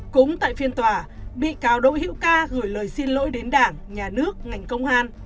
cũng tại phiên tòa bị cáo đỗ hữu ca gửi lời xin lỗi đến đảng nhà nước ngành công an